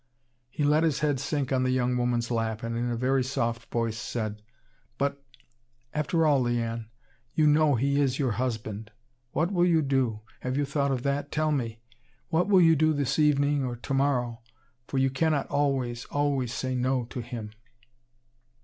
He let his head sink on the young woman's lap, and in a very soft voice, said: "But! after all, Liane, you know he is your husband. What will you do? Have you thought of that? Tell me! What will you do this evening or to morrow? For you cannot always, always say 'No' to him!"